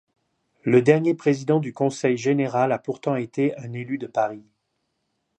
Le dernier président du conseil général a pourtant été un élu de Paris.